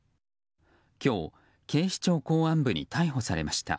今日、警視庁公安部に逮捕されました。